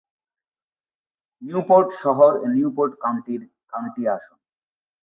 Newport শহর Newport কাউন্টির county আসন।